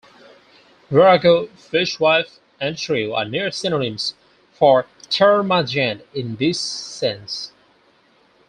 "Virago", "fishwife" and "shrew" are near synonyms for "termagant" in this sense.